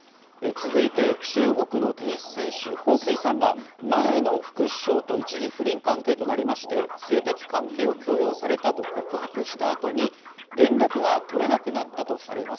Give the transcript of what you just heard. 続いて中国のテニス選手、ホウ・スイさんが前の副首相と一時、不倫関係となりまして性的関係を強要されたと告白した後に連絡が取れなくなったとされます